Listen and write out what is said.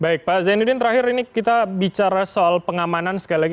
baik pak zainuddin terakhir ini kita bicara soal pengamanan sekali lagi